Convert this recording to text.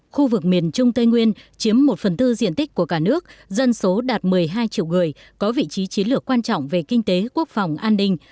khu vực miền trung tây nguyên chiếm một phần tư diện tích của cả nước dân số đạt một mươi hai triệu người có vị trí chiến lược quan trọng về kinh tế quốc phòng an ninh